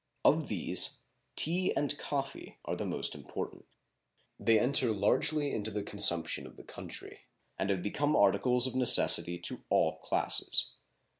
Of these, tea and coffee are the most important. They enter largely into the consumption of the country, and have become articles of necessity to all classes.